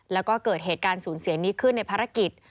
แล้วก็เกิดเหตุการณ์สูญเสียนี้ขึ้นในภารกิจ